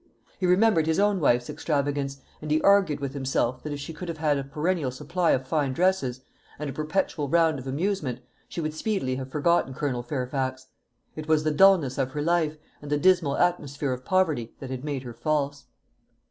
He remembered his own wife's extravagance, and he argued with himself, that if she could have had a perennial supply of fine dresses, and a perpetual round of amusement, she would speedily have forgotten Colonel Fairfax. It was the dulness of her life, and the dismal atmosphere of poverty, that had made her false.